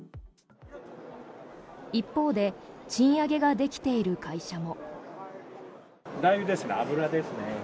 一方で賃上げができている会社も。